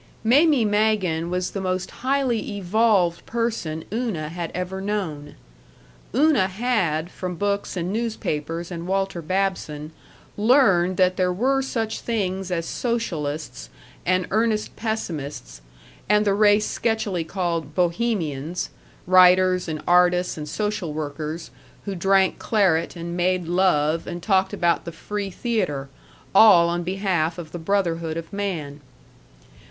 Mamie Magen was the most highly evolved person Una had ever known. Una had, from books and newspapers and Walter Babson, learned that there were such things as socialists and earnest pessimists, and the race sketchily called "Bohemians" writers and artists and social workers, who drank claret and made love and talked about the free theater, all on behalf of the brotherhood of man.